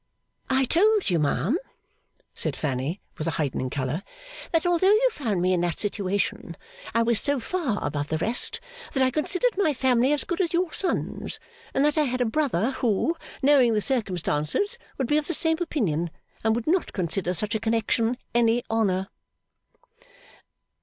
'I told you, ma'am,' said Fanny, with a heightening colour, 'that although you found me in that situation, I was so far above the rest, that I considered my family as good as your son's; and that I had a brother who, knowing the circumstances, would be of the same opinion, and would not consider such a connection any honour.